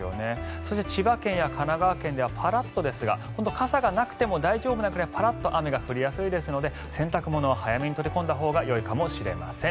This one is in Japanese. そして千葉県や神奈川県ではパラッとですが本当に傘がなくても大丈夫なぐらいの雨が降りやすいですので洗濯物は早めに取り込んだほうがいいかもしれません。